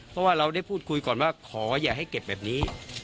เพราะว่าเราได้พูดคุยก่อนว่าขออย่าให้เก็บแบบนี้